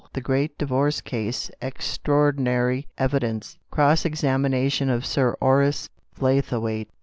The great divorce case ! Extraordinary evidence! Cross examination of Sir Horace Blaythe waite!"